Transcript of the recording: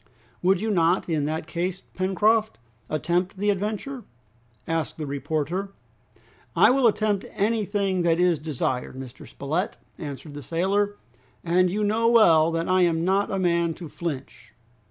"Would you not, in that case, Pencroft, attempt the adventure?" asked the reporter. "I will attempt anything that is desired, Mr. Spilett," answered the sailor, "and you know well that I am not a man to flinch!"